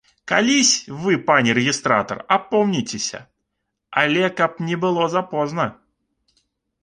Калісь вы, пане рэгістратар, апомніцеся, але каб не было запозна.